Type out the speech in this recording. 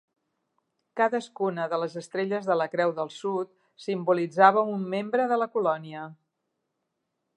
Cadascuna de les estrelles de la Creu del Sud simbolitzava un membre de la colònia.